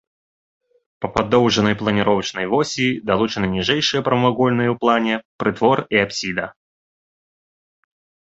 Па падоўжнай планіровачнай восі далучаны ніжэйшыя прамавугольныя ў плане прытвор і апсіда.